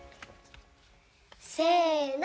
せの！